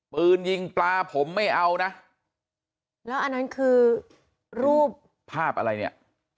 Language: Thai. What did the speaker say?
ปืนยิงปลาผมไม่เอานะภาพอะไรเนี่ย